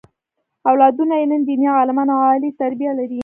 اولادونه یې نن دیني عالمان او عالي تربیه لري.